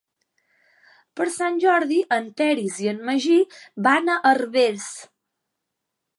Per Sant Jordi en Peris i en Magí van a Herbers.